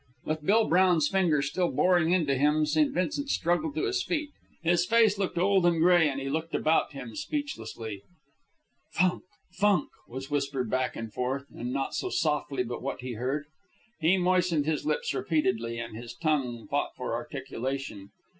With Bill Brown's finger still boring into him, St. Vincent struggled to his feet. His face looked old and gray, and he looked about him speechlessly. "Funk! Funk!" was whispered back and forth, and not so softly but what he heard. He moistened his lips repeatedly, and his tongue fought for articulation.